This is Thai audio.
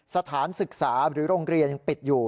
สถานศึกษาหรือโรงเรียนยังปิดอยู่